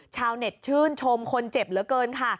ชาวเน็ตชื่นชมคนเจ็บเหลือเกินค่ะ